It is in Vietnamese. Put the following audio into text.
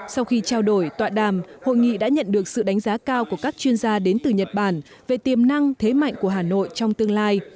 sau khi trao đổi tọa đàm hội nghị đã nhận được sự đánh giá cao của các chuyên gia đến từ nhật bản về tiềm năng thế mạnh của hà nội trong tương lai